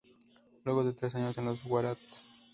Luego de tres años en los Waratahs.